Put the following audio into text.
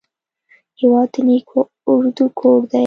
هېواد د نیکو ارادو کور دی.